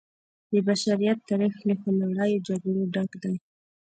د بشریت تاریخ له خونړیو جګړو ډک دی.